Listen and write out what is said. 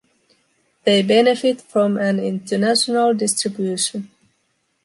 They benefit from an international distribution.